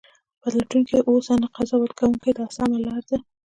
پلټونکی اوسه نه قضاوت کوونکی دا سمه لار ده.